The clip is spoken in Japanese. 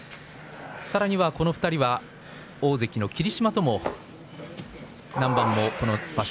さらには、この２人は大関の霧島とも何番も場所